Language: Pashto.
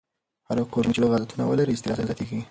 هره کورنۍ چې روغ عادتونه ولري، اضطراب نه زیاتېږي.